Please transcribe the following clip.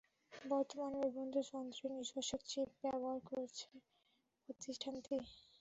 বর্তমানে বিভিন্ন যন্ত্রে নিজস্ব চিপ ব্যবহার করছে প্রতিষ্ঠানটি।